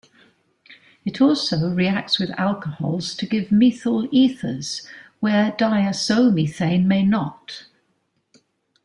It also reacts with alcohols to give methyl ethers, where diazomethane may not.